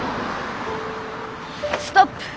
ストップ。